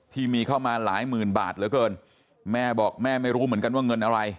ที่มีเข้ามาหลายหมื่นบาทเหลือเกินแม่บอกแม่ไม่รู้เหมือนกันว่าเงินอะไร